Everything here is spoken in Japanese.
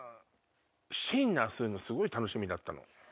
シンナー吸うのすごい楽しみだったの。